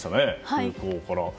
空港から。